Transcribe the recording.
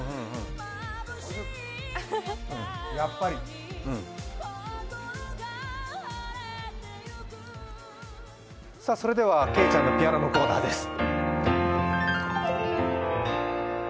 やっぱりそれでは、けいちゃんのピアノのコーナーです。